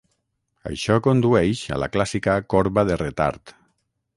Això condueix a la clàssica corba de retard.